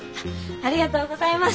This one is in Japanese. ありがとうございます。